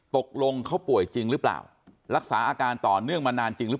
ตกลงเขาป่วยจริงหรือเปล่ารักษาอาการต่อเนื่องมานานจริงหรือเปล่า